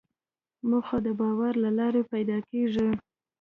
موخه د باور له لارې پیدا کېږي.